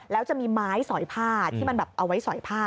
แล้วจะมีไม้สอยผ้าที่มันแบบเอาไว้สอยผ้า